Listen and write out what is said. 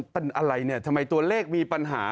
เป็นอะไรเนี่ยทำไมตัวเลขมีปัญหา